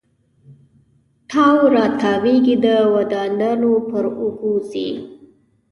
تاو را تاویږې د دودانو پر اوږو ځي